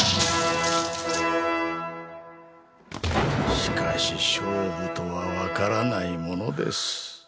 しかし勝負とはわからないものです。